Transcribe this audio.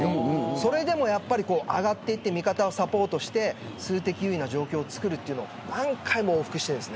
それでも上がっていって味方をサポートして数的優位を作るというのを何回も往復しています。